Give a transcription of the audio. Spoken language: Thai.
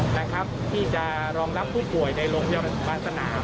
นะครับที่จะรองรับผู้ป่วยในโรงพยาบาลสนาม